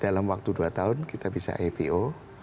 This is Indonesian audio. dalam waktu dua tahun kita bisa ipo